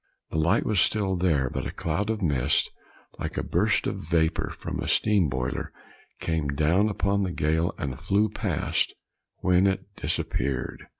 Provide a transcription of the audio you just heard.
The light was still there, but a cloud of mist, like a burst of vapor from a steam boiler, came down upon the gale and flew past, when it disappeared.